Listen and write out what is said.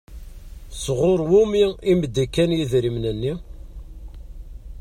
Sɣur wumi i m-d-kan idrimen-nni?